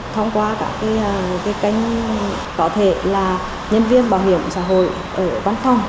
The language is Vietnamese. thông qua các kênh có thể là nhân viên bảo hiểm xã hội ở văn phòng